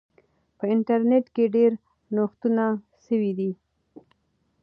په انټرنیټ کې ډیر نوښتونه سوي دي.